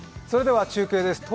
それでは中継です。